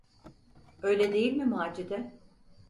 Öyle değil mi Macide?